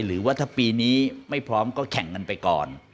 หรือว่าถ้าปีนี้ไม่พร้อมก็แข่งกันไปก่อน